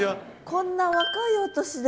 こんな若いお年で。